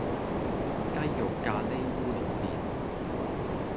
雞肉咖哩烏龍麵